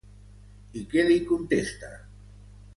I què li contesta?